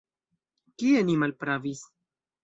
Kie ni malpravis?